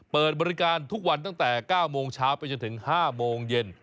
เปิดบริการทุกวันตั้งแต่๙โมงเช้าไปจนถึง๕โมงเย็น